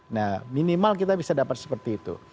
nah minimal kita bisa dapat seperti itu